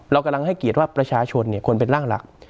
เรากำลังให้เกียรติว่าประชาชนควรเป็นร่างหลัก